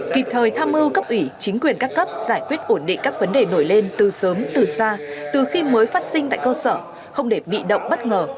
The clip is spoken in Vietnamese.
kịp thời tham mưu cấp ủy chính quyền các cấp giải quyết ổn định các vấn đề nổi lên từ sớm từ xa từ khi mới phát sinh tại cơ sở không để bị động bất ngờ